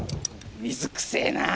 水くせえな！